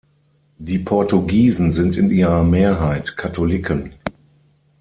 Die Portugiesen sind in ihrer Mehrheit Katholiken.